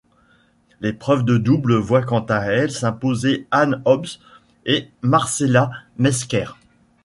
L'épreuve de double voit quant à elle s'imposer Anne Hobbs et Marcella Mesker.